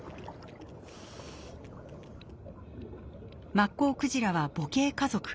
マッコウクジラは母系家族。